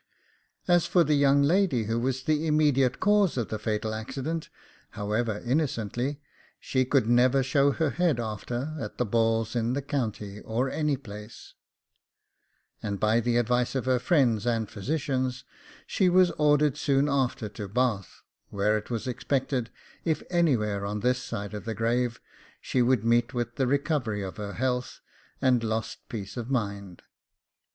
As for the young lady who was the immediate cause of the fatal accident, however innocently, she could never show her head after at the balls in the county or any place; and by the advice of her friends and physicians, she was ordered soon after to Bath, where it was expected, if anywhere on this side of the grave, she would meet with the recovery of her health and lost peace of mind.